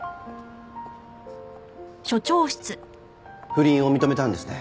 不倫を認めたんですね？